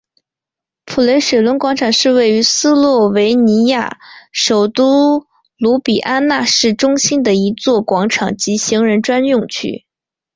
普雷雪伦广场是位于斯洛维尼亚首都卢比安纳市中心的一座广场及行人专用区。